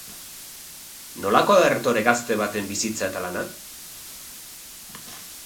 Nolakoa da erretore gazte baten bizitza eta lana?